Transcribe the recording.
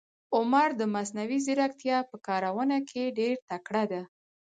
عمر د مصنوي ځیرکتیا په کارونه کې ډېر تکړه ده.